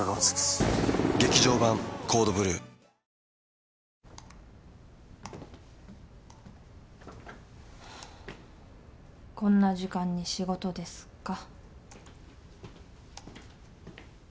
ハァこんな時間に仕事ですか。